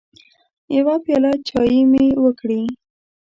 يوه پياله چايي مې وکړې